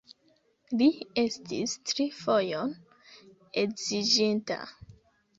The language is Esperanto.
Li estis tri fojon edziĝinta.